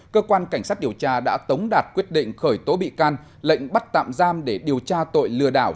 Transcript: cơ quan cảnh sát điều tra đã tống đạt quyết định khởi tố bị can lệnh bắt tạm giam để điều tra tội lừa đảo